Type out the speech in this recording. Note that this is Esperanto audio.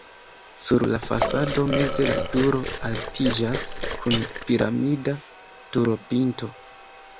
Sur la fasado meze la turo altiĝas kun piramida turopinto.